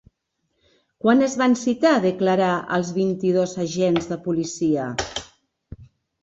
Quan es van citar a declarar els vint-i-dos agents de policia?